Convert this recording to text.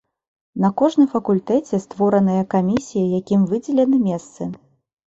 На кожным факультэце створаныя камісіі, якім выдзелены месцы.